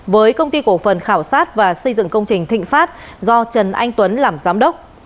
với công ty cổ phần khảo sát và xây dựng công trình thịnh pháp do trần anh tuấn làm giám đốc